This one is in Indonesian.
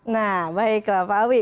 nah baiklah pak awi